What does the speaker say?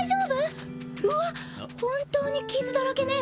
うわっ本当に傷だらけね。